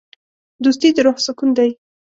دوستي د روح سکون دی.